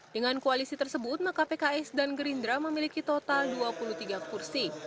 dengan koalisi tersebut maka pks dan gerindra memiliki total dua puluh tiga kursi